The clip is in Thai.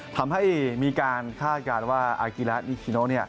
ทำให้มีการคาดการณ์ว่าอากิระนิชิโน